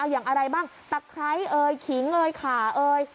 อย่างอะไรบ้างตั๊กไคร้เออขิงเออขาเออ